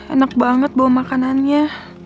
enak banget bawa makanannya